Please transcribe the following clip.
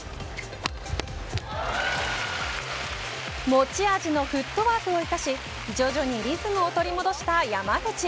持ち味のフットワークを生かし徐々にリズムを取り戻した山口。